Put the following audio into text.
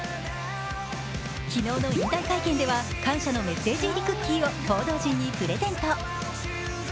昨日の引退会見では、感謝のメッセージ入りクッキーを報道陣にプレゼント。